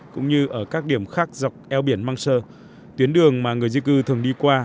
cũng như ở các điểm khác dọc eo biển manchesor tuyến đường mà người di cư thường đi qua